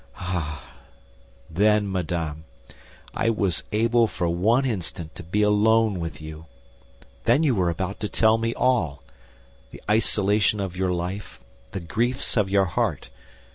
Ah, then, madame, I was able for one instant to be alone with you. Then you were about to tell me all—the isolation of your life, the griefs of your heart.